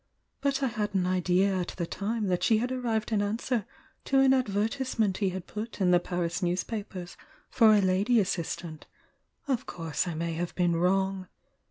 But I had an idea at the time that she had arrived in answer to an ad vertisement he had put in the Paris newspapers for a lady assistant, — of course I may have been wrong.